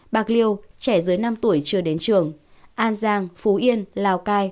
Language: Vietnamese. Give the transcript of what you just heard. bạc liêu trẻ dưới năm tuổi chưa đến trường an giang phú yên lào cai